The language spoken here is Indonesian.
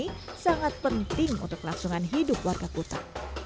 ini sangat penting untuk kelangsungan hidup warga kuta